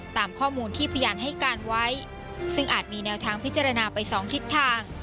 ตามข้อมูลที่พยานให้การไว้ซึ่งอาจมีแนวทางพิจารณาไปสองทิศทาง